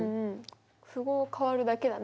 符号変わるだけだね。